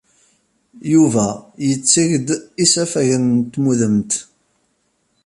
Yuba yetteg-d isafagen n tmudemt.